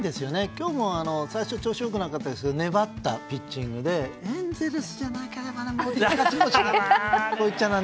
今日も、最初は調子が良くなかったですけど粘ったピッチングでエンゼルスじゃなければな。